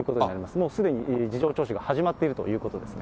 もうすでに事情聴取が始まっているということですね。